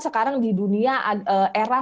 sekarang di dunia era